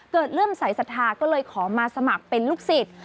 เริ่มสายศรัทธาก็เลยขอมาสมัครเป็นลูกศิษย์